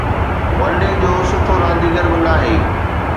one day جو سٺو رانديگر به ناهي